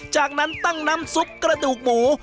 จากนั้นตั้งน้ำซุปกระดูกหมู